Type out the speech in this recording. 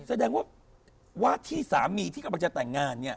แสดงว่าว่าที่สามีที่กำลังจะแต่งงานเนี่ย